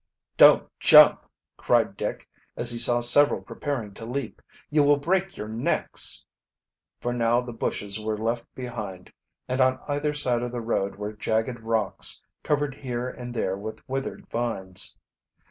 "Don't jump!" cried Dick, as he saw several preparing to leap. "You will break your necks!" For now the bushes were left behind, and on either side of the road were jagged rocks, covered here and there with withered vines.